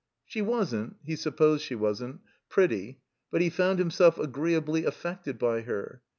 She wasn't — he supposed she wasn't — pretty, but he found himself agreeably affected by her.